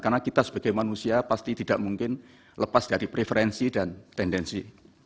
karena kita sebagai manusia pasti tidak mungkin lepas dari preferensi dan tendensi